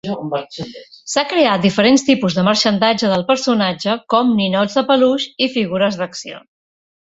S'ha creat diferent tipus de marxandatge del personatge com ninots de peluix i figures d'acció.